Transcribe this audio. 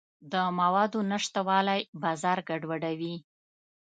د موادو نشتوالی بازار ګډوډوي.